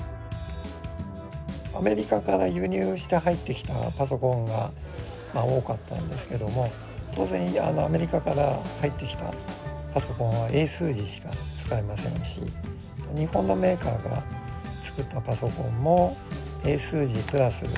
アメリカから輸入して入ってきたパソコンが多かったんですけども当然アメリカから入ってきたパソコンは英数字しか使えませんし日本のメーカーが作ったパソコンも英数字プラス